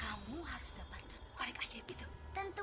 aku harus mendapatkan bedak itu